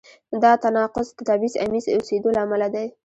دا تناقض د تبعیض آمیز اوسېدو له امله دی.